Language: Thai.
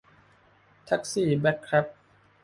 แท็กซี่แบล็คแค็บ